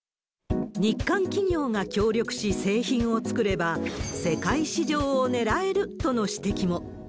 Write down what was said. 日韓企業が協力し、製品を作れば、世界市場を狙えるとの指摘も。